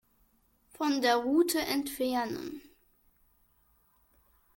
Von der Route entfernen.